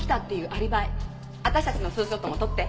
私たちのツーショットも撮って。